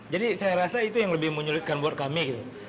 jadi saya rasa itu yang lebih menyulitkan buat kami